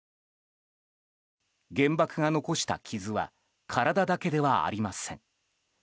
原爆が残した傷は体だけではありません。